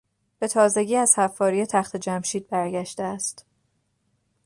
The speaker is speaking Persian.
به تازگی از حفاری تخت جمشید برگشته است.